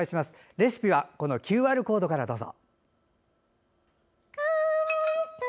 レシピはＱＲコードからどうぞ。